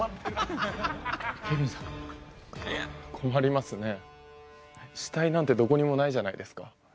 困りますね死体なんてどこにもないじゃないですか。